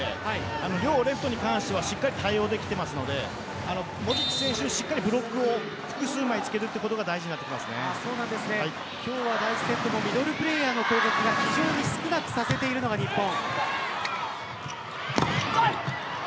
今日レフトに対しては対応できていますのでモジッチ選手にブロックを複数枚つけることが今日は第１セットのミドルプレーヤーの攻撃が非常に少なくさせている日本。